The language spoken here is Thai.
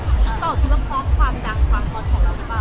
ตอบที่ว่าเพราะความดังความควรของเราหรือเปล่า